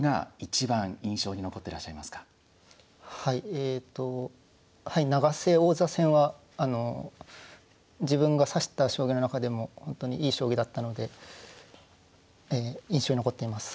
えっと永瀬王座戦は自分が指した将棋の中でも本当にいい将棋だったので印象に残っています。